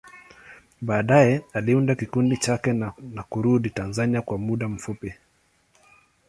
Baadaye, aliunda kikundi chake na kurudi Tanzania kwa muda mfupi.